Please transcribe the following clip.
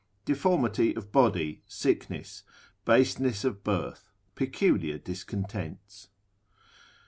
Deformity of body, sickness, baseness of birth, peculiar discontents.